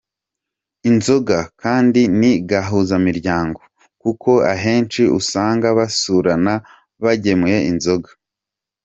Inzoga kandi ni gahuzamiryango kuko ahenshi usanga basurana bagemuye inzoga.